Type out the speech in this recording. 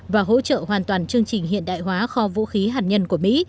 và hỗ trợ hoàn toàn chương trình hiện đại hóa kho vũ khí hạt nhân của mỹ